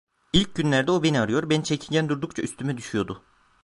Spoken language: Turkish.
İlk günlerde o beni arıyor, ben çekingen durdukça üstüme düşüyordu.